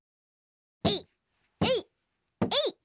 えいえいえいっ！